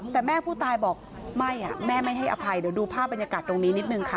แต่แม่ผู้ตายบอกไม่แม่ไม่ให้อภัยเดี๋ยวดูภาพบรรยากาศตรงนี้นิดนึงค่ะ